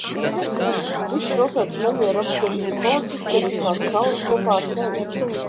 Visi pilsētas nemieru apspiešanas policisti ir uz tās salas kopā ar tevi!